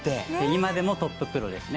今でもトッププロですね。